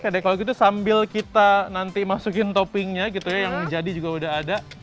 oke deh kalau gitu sambil kita nanti masukin toppingnya gitu ya yang jadi juga udah ada